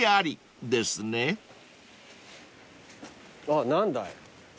あっ何だい？